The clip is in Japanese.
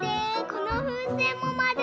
このふうせんもまる！